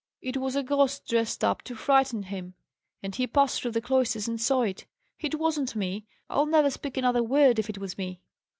"It was a ghost dressed up to frighten him, and he passed through the cloisters and saw it. It wasn't me! I'll never speak another word, if it was me!"